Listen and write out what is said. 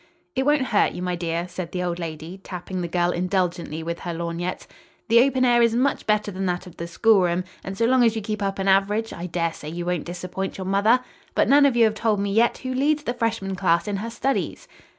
"It won't hurt you, my dear," said the old lady, tapping the girl indulgently with her lorgnette; "the open air is much better than that of the schoolroom, and so long as you keep up an average, I daresay you won't disappoint your mother. But none of you have told me yet who leads the freshman class in her studies."